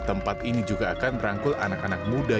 tempat ini juga akan merangkul anak anak muda